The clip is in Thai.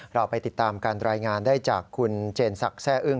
เราไปติดตามการรายงานได้จากคุณเจนศักดิ์แซ่อึ้ง